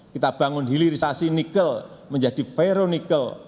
kita bangun hilirisasi nikel menjadi veronical